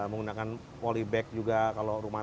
menggunakan polybag juga kalau rumah